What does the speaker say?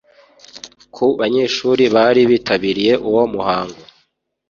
ku banyeshuri bari bitabiriye uwo muhango